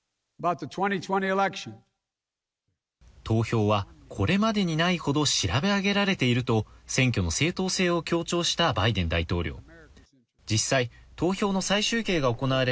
投票はこれまでにないほど調べ上げられていると選挙の正当性を強調したバイデン大統領。